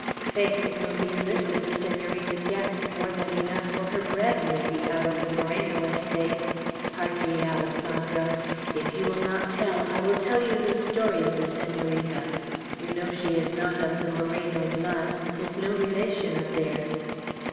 "Faith, it will be little the Senorita gets more than enough for her bread, may be, out of the Moreno estate. Hark ye, Alessandro; if you will not tell, I will tell you the story of the Senorita. You know she is not of the Moreno blood; is no relation of theirs."